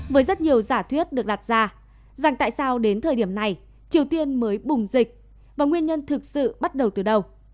với rất nhiều giả thuyết được đặt ra rằng tại sao đến thời điểm này triều tiên mới bùng dịch và nguyên nhân thực sự bắt đầu từ đầu